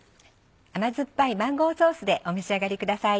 甘酸っぱいマンゴーソースでお召し上がりください。